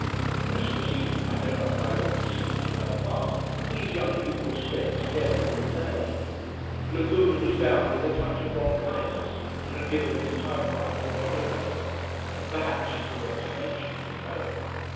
Christmas Eve, I know not by what deceit on her part, these young people spent together all day. Lagune was down with a touch of bronchitis and had given his typewriter a holiday. Perhaps she forgot to mention it at home.